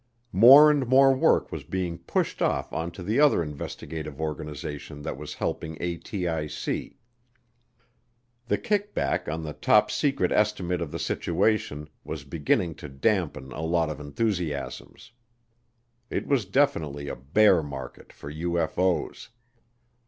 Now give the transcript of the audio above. More and more work was being pushed off onto the other investigative organization that was helping ATIC. The kickback on the Top Secret Estimate of the Situation was beginning to dampen a lot of enthusiasms. It was definitely a bear market for UFO's.